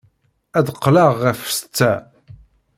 Ad d-qqleɣ ɣef ssetta.